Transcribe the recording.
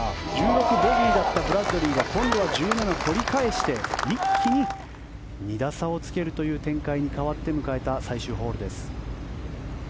１６番、ボギーだったブラッドリーが今度は１７取り返して一気に２打差をつけるという展開に迎えた最終ホールです。